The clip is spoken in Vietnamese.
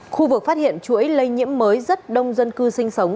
khu vực phát hiện chuỗi lây nhiễm mới rất đông dân cư sinh sống